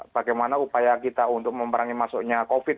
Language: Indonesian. bagaimana upaya kita untuk memperangi masuknya covid